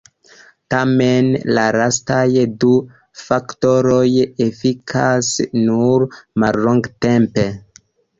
Tamen la lastaj du faktoroj efikas nur mallongtempe.